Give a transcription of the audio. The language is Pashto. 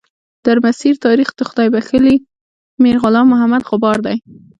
درمسیر تاریخ د خدای بخښلي میر غلام محمد غبار دی.